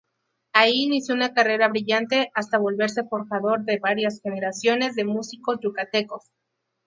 Ahí inició una carrera brillante hasta volverse forjador de varias generaciones de músicos yucatecos.